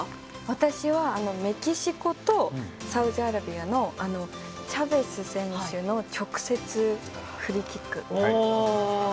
私はメキシコとサウジアラビアのチャベス選手の直接フリーキック。